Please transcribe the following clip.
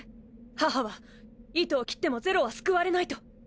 母は糸を切っても是露は救われないと。